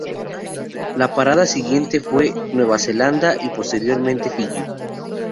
La parada siguiente fue Nueva Zelanda y posteriormente Fiyi.